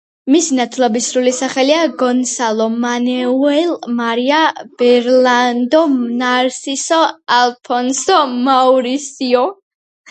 მისი ნათლობის სრული სახელია გონსალო მანუელ მარია ბერნარდო ნარსისო ალფონსო მაურისიო.